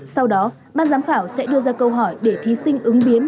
sau đó ban giám khảo sẽ đưa ra câu hỏi để thí sinh ứng biến